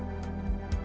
tidak ada apa apa